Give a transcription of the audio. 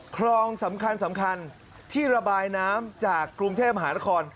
คลองสำคัญสำคัญที่ระบายน้ำจากกรุงเทพมหานคร